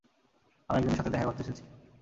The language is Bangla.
আমি একজনের সাথে দেখা করতে এসেছি।